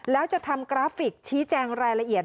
แล้วจะทำกราฟิกชี้แจงรายละเอียด